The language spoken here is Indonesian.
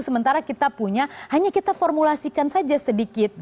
sementara kita punya hanya kita formulasikan saja sedikit